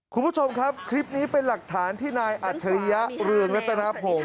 คุณผู้ชมครับคลิปนี้เป็นหลักฐานที่นายอัจฉริยะเรืองรัตนพงศ์